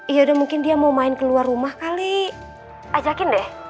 ya udah mungkin dia mau main keluar rumah kali ajakin deh